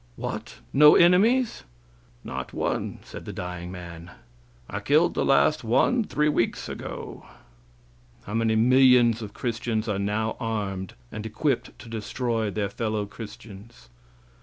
"What! no enemies?" "Not one," said the dying man, "I killed the last one three weeks ago." How many millions of Christians are now armed and equipped to destroy their fellow Christians?